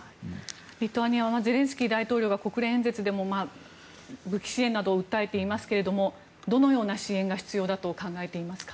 リトアニアはゼレンスキー大統領が国連演説でも武器支援などを訴えていますがどのような支援が必要だと考えていますか。